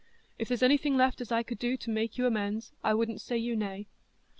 "If there's anything left as I could do to make you amends, I wouldn't say you nay."